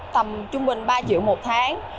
tầm trung bình ba triệu một tháng